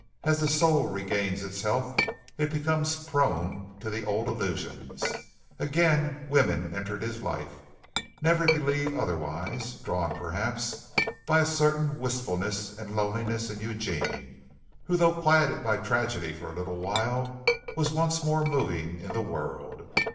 As the soul regains its health, it becomes prone to the old illusions. Again women entered his life never believe otherwise drawn, perhaps, by a certain wistfulness and loneliness in Eugene, who though quieted by tragedy for a little while was once more moving in the world.